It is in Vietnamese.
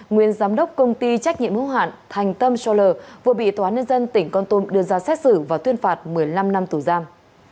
nguyên giám đốc công ty trách nhiệm hữu hạn thành tâm scholar vừa bị tòa án nhân dân tỉnh con tôn đưa ra xét xử và tuyên phạt một mươi năm năm tù giam